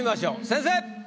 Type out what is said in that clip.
先生！